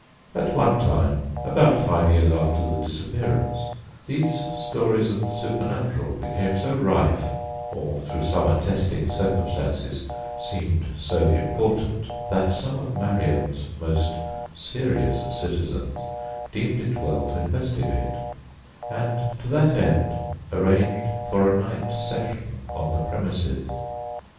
At one time, about five years after the disappearance, these stories of the supernatural became so rife, or through some attesting circumstances seemed so important, that some of Marion's most serious citizens deemed it well to investigate, and to that end arranged for a night session on the premises.